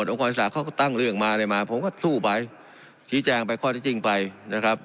กรศึกษาเขาก็ตั้งเรื่องมาอะไรมาผมก็สู้ไปชี้แจงไปข้อที่จริงไปนะครับ